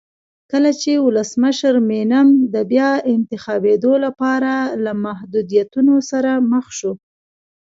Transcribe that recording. کله چې ولسمشر مینم د بیا انتخابېدو لپاره له محدودیتونو سره مخ شو.